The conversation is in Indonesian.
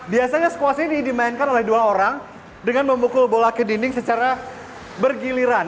biasanya squash ini dimainkan oleh dua orang dengan memukul bola ke dinding secara bergiliran